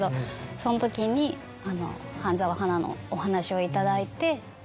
そのときに半沢花のお話を頂いて。